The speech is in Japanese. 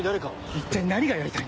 一体何がやりたいんだ！